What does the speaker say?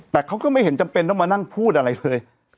แต่เขาก็ไม่เห็นจำเป็นต้องมานั่งพูดอะไรเลย